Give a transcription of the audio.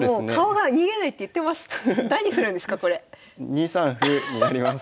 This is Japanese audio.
２三歩になります。